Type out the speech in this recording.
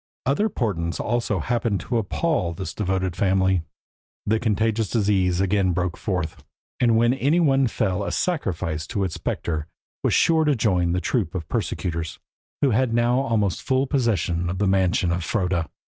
Other portents also happened to appal this devoted family: the contagious disease again broke forth, and when any one fell a sacrifice to it his spectre was sure to join the troop of persecutors, who had now almost full possession of the mansion of Froda.